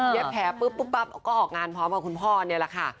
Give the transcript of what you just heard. แผลปุ๊บปุ๊บปั๊บก็ออกงานพร้อมกับคุณพ่อนี่แหละค่ะ